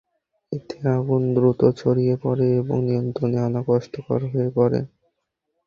এতে আগুন দ্রুত ছড়িয়ে পড়ে এবং নিয়ন্ত্রণে আনা কষ্টকর হয়ে পড়ে।